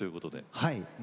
はい。